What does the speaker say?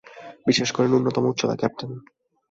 বিশেষ করে ন্যূনতম উচ্চতা, ক্যাপ্টেন।